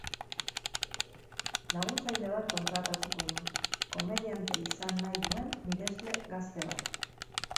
Laguntzaile bat kontratatuko du, komediante izan nahi duen miresle gazte bat.